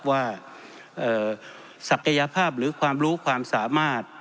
ศักยภาพหรือความรู้ความสามารถ